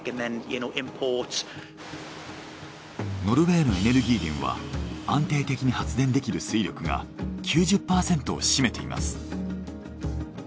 ノルウェーのエネルギー源は安定的に発電できる水力が９０％を占めています。